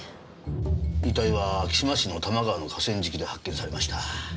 遺体は昭島市の多摩川の河川敷で発見されました。